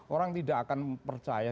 orang tidak akan percaya